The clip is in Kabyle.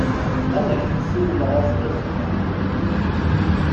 Ad ak-n-siwleɣ azekka ṣṣbeḥ.